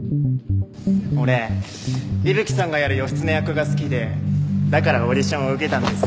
俺伊吹さんがやる義経役が好きでだからオーディションを受けたんです。